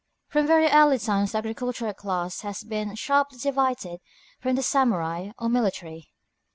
From very early times the agricultural class has been sharply divided from the samurai or military.